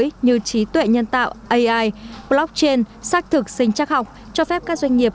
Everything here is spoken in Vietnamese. như trí tuệ nhân tạo ai blockchain xác thực sinh chắc học cho phép các doanh nghiệp